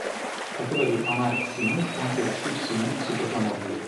Fratello di Amar-Sin, anche Shu-Sin si proclamò dio.